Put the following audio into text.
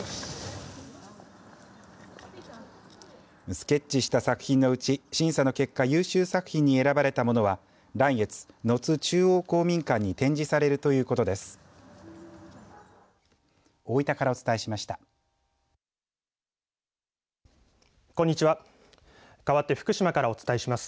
スケッチした作品のうち審査の結果優秀作品に選ばれたものは来月、野津中央公民館に展示されるということです。